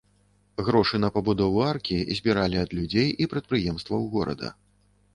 Грошы на пабудову аркі збіралі ад людзей і прадпрыемстваў горада.